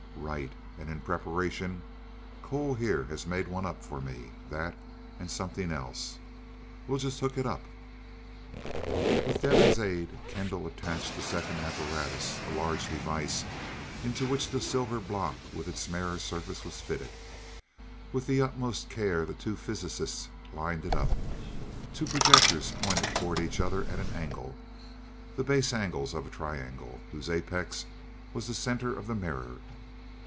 "Right. And in preparation, Cole here had one made up for me. That and something else. We'll just hook it up " With Devin's aid, Kendall attached the second apparatus, a larger device into which the silver block with its mirror surface fitted. With the uttermost care, the two physicists lined it up. Two projectors pointed toward each other at an angle, the base angles of a triangle, whose apex was the center of the mirror.